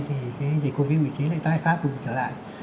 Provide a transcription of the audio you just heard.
dịch covid một mươi chín lại tái phát bùng trở lại